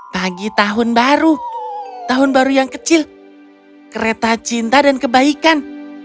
pagi tahun baru tahun baru yang kecil kereta cinta dan kebaikan